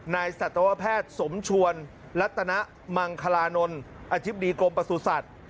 นายสัตวแพทย์สมชวนลัตนะมังคลานนอธิบดีกรมประสุทธิ์สัตว์